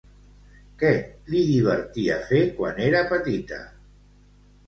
Què li divertia fer quan era petita?